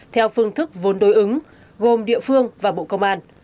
theo phương thức vốn đối ứng gồm địa phương và bộ công an